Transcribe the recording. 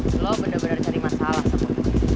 kau bener bener cari masalah sama gue